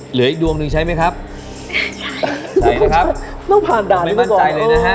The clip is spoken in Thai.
เหลืออีกดวงหนึ่งใช้ไหมครับไหนนะครับต้องผ่านด่านไม่มั่นใจเลยนะฮะ